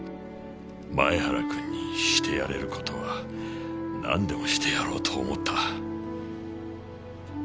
前原君にしてやれる事はなんでもしてやろうと思った。